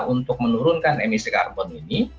untuk menurunkan emisi karbon ini